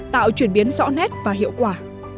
tạo chuyển biến rõ nét và hiệu quả